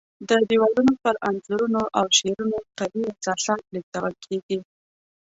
د دیوالونو پر انځورونو او شعرونو قوي احساسات لېږدول کېږي.